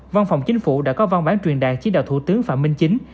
văn phòng chính phủ đã có văn bản truyền đạt chỉ đạo thủ tướng phạm minh chính